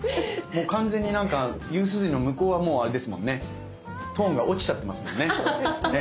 もう完全になんか夕涼みの向こうはもうあれですもんねトーンが落ちちゃってますもんね。